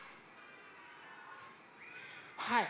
はい。